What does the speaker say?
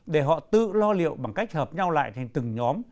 để họ tự lo liệu bằng cách hợp nhau lại thành từng nhóm